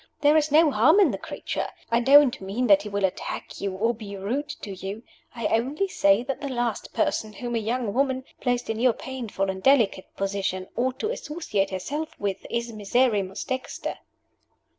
There is no harm in the creature. I don't mean that he will attack you, or be rude to you. I only say that the last person whom a young woman, placed in your painful and delicate position, ought to associate herself with is Miserrimus Dexter."